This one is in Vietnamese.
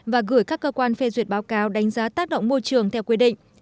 và gửi các cơ quan phê duyệt báo cáo đánh giá tác động môi trường theo quy định